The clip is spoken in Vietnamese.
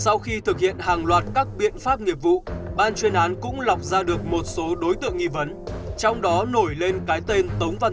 sau khi thực hiện hàng loạt các biện pháp nghiệp vụ ban chuyên án cũng lọc ra được một số đối tượng nghi vấn trong đó nổi lên cái tên tống văn